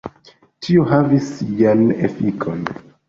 Tio havis sian efikon.